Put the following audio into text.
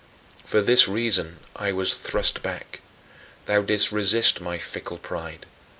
For this reason I was thrust back; thou didst resist my fickle pride.